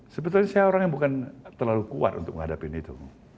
sebetulnya saya orang yang bukan terlalu kuat untuk menghadapi itu